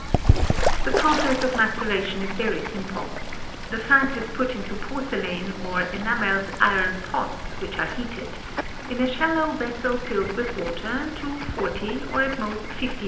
The process of maceration is very simple. The fat is put into porcelain or enamelled iron pots which are heated, in a shallow vessel filled with water, to 40 or at most 50° C.